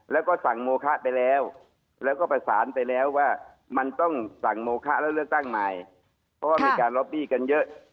แล้วก็สั่งโมคะไปแล้วแล้วก็ประสานไปแล้วว่ามันต้องสั่งโมคะแล้วเลือกตั้งใหม่เพราะว่ามีการล็อบบี้กันเยอะ